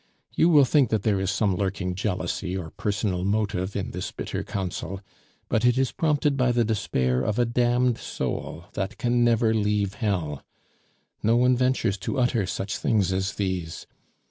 You will think that there is some lurking jealousy or personal motive in this bitter counsel, but it is prompted by the despair of a damned soul that can never leave hell. No one ventures to utter such things as these.